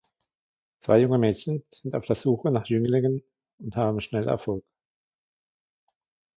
Zwei junge Mädchen sind auf der Suche nach Jünglingen und haben schnell Erfolg.